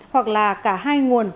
hoặc là cả hai nguồn